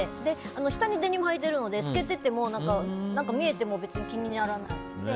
下にデニムはいてるので透けてても見えても気にならない。